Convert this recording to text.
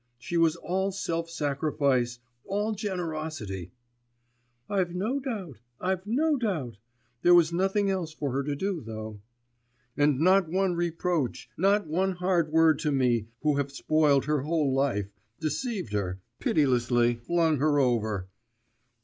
She was all self sacrifice, all generosity!' 'I've no doubt, I've no doubt ... there was nothing else for her to do, though.' 'And not one reproach, not one hard word to me, who have spoiled her whole life, deceived her, pitilessly flung her over....